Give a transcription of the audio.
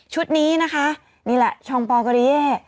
ชุดนี้นะคะนี่แหละช่องปอล์เกอร์เดีย